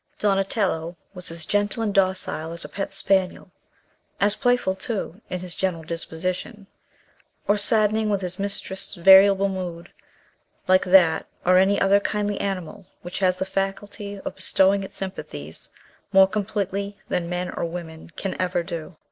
Donatello was as gentle and docile as a pet spaniel; as playful, too, in his general disposition, or saddening with his mistress's variable mood like that or any other kindly animal which has the faculty of bestowing its sympathies more completely than men or women can ever do.